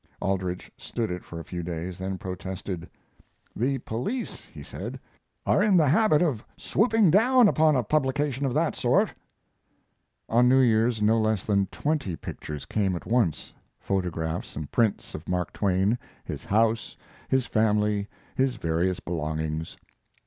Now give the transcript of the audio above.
Aldrich stood it for a few days, then protested. "The police," he said, "are in the habit of swooping down upon a publication of that sort." On New Year's no less than twenty pictures came at once photographs and prints of Mark Twain, his house, his family, his various belongings.